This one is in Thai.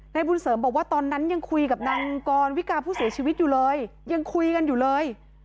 บุญเสริมบอกว่าตอนนั้นยังคุยกับนางกรวิกาผู้เสียชีวิตอยู่เลยยังคุยกันอยู่เลย